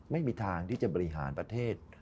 ไม่มีทางที่จะบริหารประเทศ